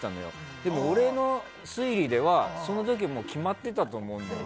でも俺の推理では、その時もう決まってたと思うんだよね。